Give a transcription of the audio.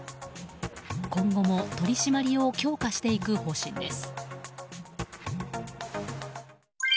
今後も取り締まりを強化していく方針です。